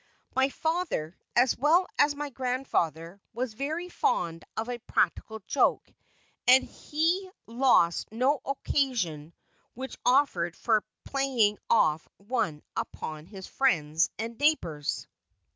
My father, as well as my grandfather, was very fond of a practical joke, and he lost no occasion which offered for playing off one upon his friends and neighbors.